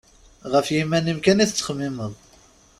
Γef yiman-im kan i tettxemmimeḍ.